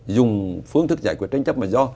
dùng phương thức giải quyết tranh chấp mà do